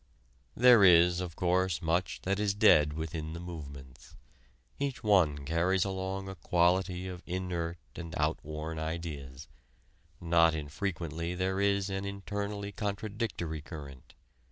There is, of course, much that is dead within the movements. Each one carries along a quantity of inert and outworn ideas, not infrequently there is an internally contradictory current.